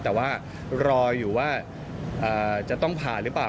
แต่ว่ารออยู่ว่าจะต้องผ่าหรือเปล่า